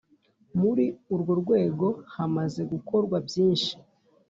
Muri urwo rwego hamaze gukorwa byinshi